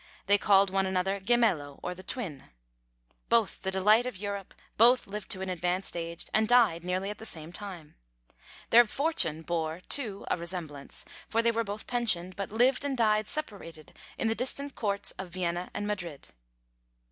They called one another Gemello, or The Twin, both the delight of Europe, both lived to an advanced age, and died nearly at the same time. Their fortune bore, too, a resemblance; for they were both pensioned, but lived and died separated in the distant courts of Vienna and Madrid.